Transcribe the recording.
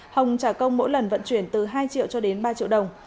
hồng trả công mỗi lần vận chuyển từ hai triệu cho đến ba triệu đồng